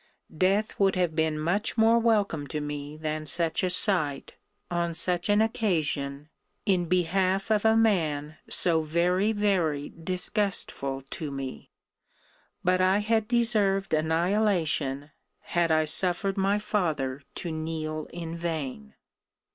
Death would have been much more welcome to me than such a sight, on such an occasion, in behalf of a man so very, very disgustful to me! But I had deserve annihilation, had I suffered my father to kneel in vain.